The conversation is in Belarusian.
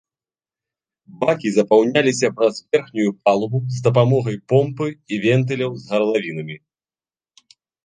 Бакі запаўняліся праз верхнюю палубу з дапамогай помпы і вентыляў з гарлавінамі.